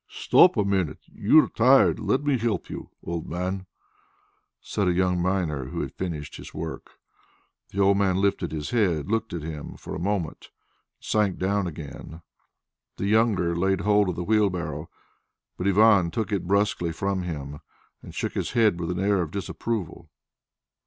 "Stop a minute! You are tired: let me help you, old man," said a young miner who had finished his work. The old man lifted his head, looked at him for a moment, and sank down again. The younger laid hold of the wheelbarrow, but Ivan took it brusquely from him, and shook his head with an air of disapproval.